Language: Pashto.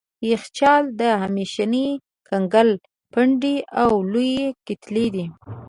یخچال د همیشني کنګل پنډې او لويې کتلې دي.